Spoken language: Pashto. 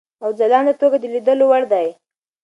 او ځلانده توګه د لیدلو وړ دی.